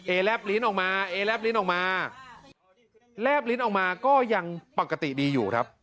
เอแลบลิ้นออกมาแลบลิ้นออกมาก็ยังปกติดีอยู่ครับ